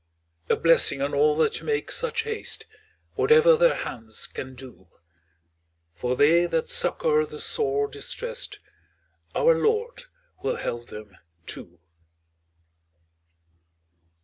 A blessing on all that make such haste, Whatever their hands can do! For they that succour the sore distressed, Our Lord will help them too.